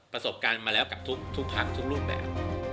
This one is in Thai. ประสบการณ์มาแล้วกับทุกพักทุกรูปแบบ